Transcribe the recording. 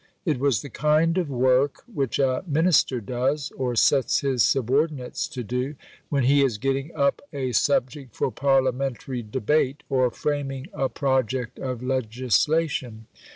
It was the kind of work which a Minister does, or sets his subordinates to do, when he is getting up a subject for parliamentary debate, or framing a project of legislation.